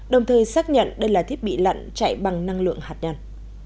đồng thời xác nhận đây là thiết bị lặn chạy bằng năng lượng hạt nhân